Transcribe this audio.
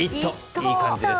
いい感じです。